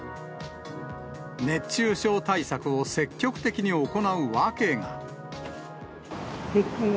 熱中症対策を積極的に行う訳が。